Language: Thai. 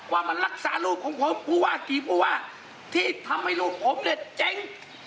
ว่ามันรักษารูปของผมผู้ว่ากี่ผู้ว่าที่ทำให้ลูกผมเนี่ยเจ๊ง